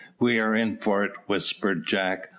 "We are in for it," whispered Jack.